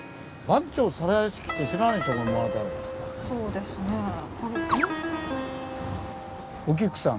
そうですねん？